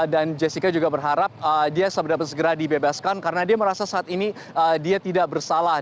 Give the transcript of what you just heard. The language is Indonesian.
dan jessica juga berharap dia segera dibebaskan karena dia merasa saat ini dia tidak bersalah